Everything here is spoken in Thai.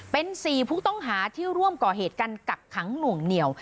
เป็น๔ผู้ต้องหาที่ร่วมก่อเหตุกันกักขังหน่วงเหนียว